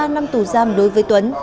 một mươi ba năm tù giam đối với tuấn